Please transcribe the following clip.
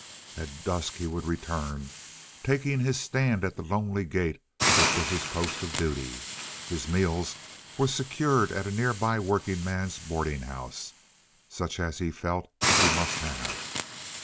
At dusk he would return, taking his stand at the lonely gate which was his post of duty. His meals he secured at a nearby workingmen's boarding house, such as he felt he must have.